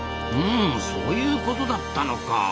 うんそういうことだったのか。